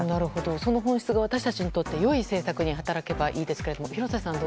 その本質が私たちにとって良い選択に働けばいいですけど。